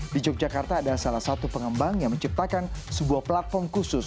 di yogyakarta ada salah satu pengembang yang menciptakan sebuah platform khusus